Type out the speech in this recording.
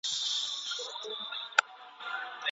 ځيني فاميلونه د واده توان نلري.